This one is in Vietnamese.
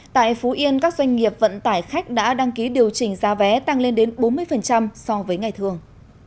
tại phú yên các doanh nghiệp vận tải khách đã đăng ký điều chỉnh giá vé tăng lên đến bốn mươi so với ngày thường